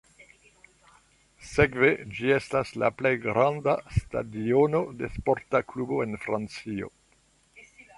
Sekve ĝi estas la plej granda stadiono de sporta klubo en Francio.